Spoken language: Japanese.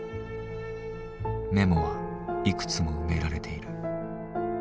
メモはいくつも埋められている。